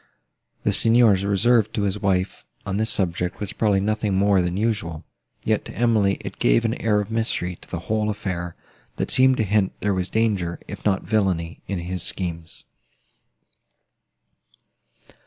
The Signor's reserve to his wife, on this subject, was probably nothing more than usual; yet, to Emily, it gave an air of mystery to the whole affair, that seemed to hint there was danger, if not villany, in his schemes.